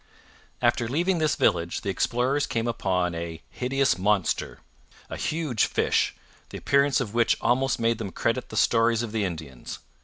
After leaving this village the explorers came upon a 'hideous monster,' a huge fish, the appearance of which almost made them credit the stories of the Indians.